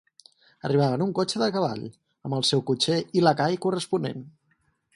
Arribava en un cotxe de cavall, amb el seu cotxer i lacai corresponent.